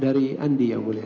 dari andi yang mulia